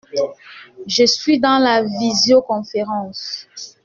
Je suis dans la visioconférence.